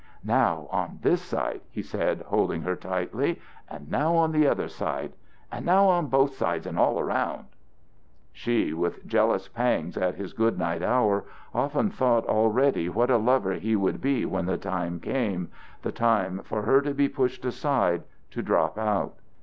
"Now on this side," he said, holding her tightly, "and now on the other side, and now on both sides and all around." She, with jealous pangs at this goodnight hour, often thought already of what a lover he would be when the time came the time for her to be pushed aside, to drop out.